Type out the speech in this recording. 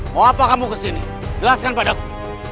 mau apa kamu kesini jelaskan padaku